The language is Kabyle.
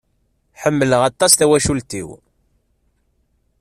Ḥemmeleq aṭas tawacult-iw.